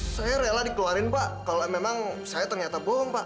saya rela dikeluarin pak kalau memang saya ternyata bohong pak